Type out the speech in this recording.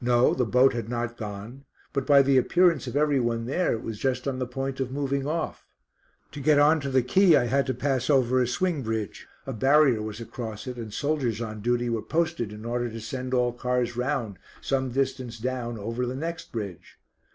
No, the boat had not gone, but by the appearance of every one there, it was just on the point of moving off. To get on to the quay I had to pass over a swing bridge; a barrier was across it, and soldiers on duty were posted in order to send all cars round, some distance down, over the next bridge.